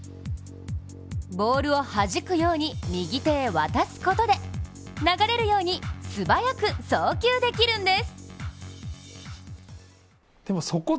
ボールをはじくように右手へ渡すことで流れるように素早く送球できるんです。